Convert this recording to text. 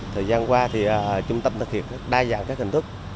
thời gian qua trung tâm thực hiện đa dạng các hình thức